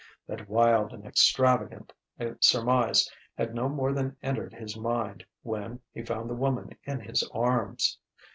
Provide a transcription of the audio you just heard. That wild and extravagant surmise had no more than entered his mind when he found the woman in his arms.